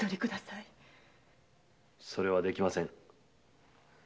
それはできません。